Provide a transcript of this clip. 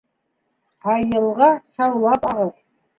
Һай йылға шаулап ағыр.